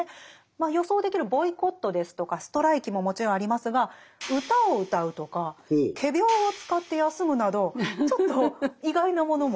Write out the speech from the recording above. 予想できるボイコットですとかストライキももちろんありますが歌を歌うとか仮病を使って休むなどちょっと意外なものも。